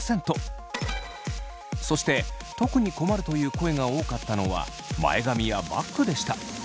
そして特に困るという声が多かったのは前髪やバックでした。